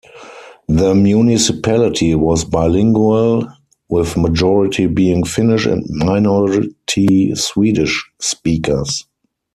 The municipality was bilingual, with majority being Finnish and minority Swedish speakers.